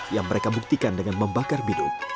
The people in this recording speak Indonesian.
yang mereka buktikan dengan membakar biduk